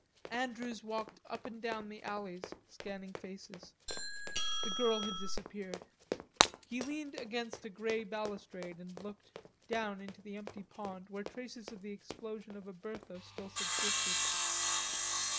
Andrews walked up and down the alleys, scanning faces. The girl had disappeared. He leaned against a grey balustrade and looked down into the empty pond where traces of the explosion of a Bertha still subsisted.